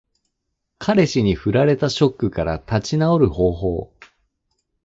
彼氏に振られたショックから立ち直る方法。